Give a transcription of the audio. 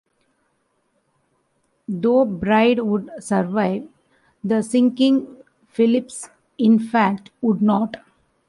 Though Bride would survive the sinking, Phillips, in fact, would not.